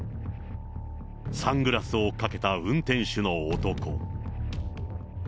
サングラスをかけた運転手の男。